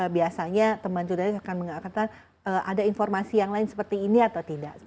biasanya teman teman juga akan mengakertakan ada informasi yang lain seperti ini atau tidak